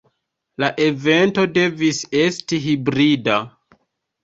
La evento devis esti hibrida.